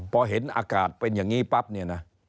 พอเห็นอากาศเป็นอย่างนี้ปั๊บเนี่ยนะ